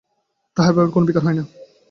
তাহার ভাবেরও কোনো বিকার হয় না।